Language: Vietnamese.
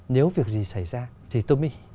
nếu việc gì xảy ra thì tôi mới